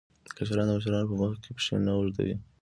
کشران د مشرانو په مخ کې پښې نه اوږدوي.